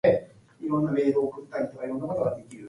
Entry to the museum is free.